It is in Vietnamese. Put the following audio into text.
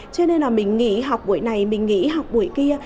cho nên là mình nghỉ học buổi này mình nghĩ học buổi kia